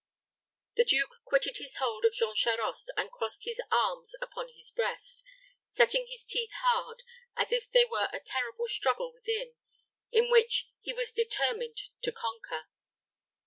The duke quitted his hold of Jean Charost and crossed his arms upon his breast, setting his teeth hard, as if there were a terrible struggle within, in which he was determined to conquer.